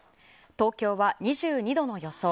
東京は２２度の予想。